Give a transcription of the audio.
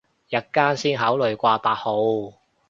日間先考慮掛八號